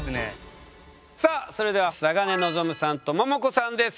さあそれでは嵯峨根望さんとももこさんです。